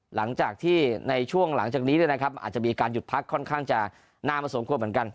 หลังจากที่ในช่วงหลังจากนี้มันอาจจะมีการหยุดพักค่อนข้างจะนานพอสมควรเหมือนกัน